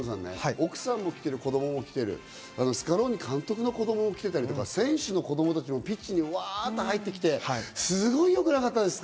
本当最後ね、ゾノさんね、奥さんも来てる、子供も来てる、スカローニ監督の子供も来てたりとか、選手の子供たちもピッチで、わっと入ってきて、すごい良くなかったですか？